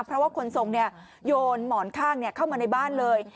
เพราะว่าคนทรงโยนหมอนข้างเข้ามาในบ้านเลย